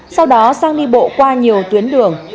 sau đó sang đi bộ qua nhiều tuyến đường